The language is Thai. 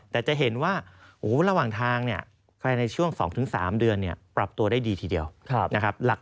แต่จะเห็นว่าระหว่างทางเนี่ยภายในช่วง๒๓เดือนปรับตัวได้ดีทีเดียวนะครับ